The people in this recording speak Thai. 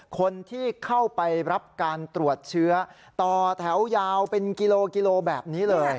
คนที่เข้าไปรับการตรวจเชื้อต่อแถวยาวเป็นกิโลกิโลแบบนี้เลย